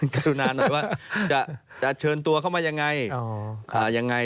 ก็รู้นานหน่อยว่าจะเชิญตัวเข้ามาอย่างไร